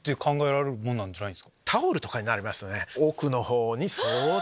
タオルとかになりますと。